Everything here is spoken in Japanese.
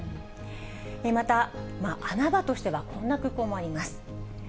また、穴場としてはこんな空港もあります。